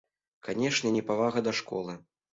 Канечне, непавага да школы.